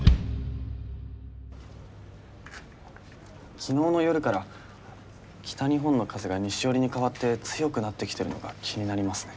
昨日の夜から北日本の風が西よりに変わって強くなってきてるのが気になりますね。